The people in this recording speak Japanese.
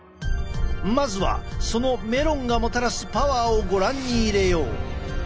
まずはそのメロンがもたらすパワーをご覧に入れよう。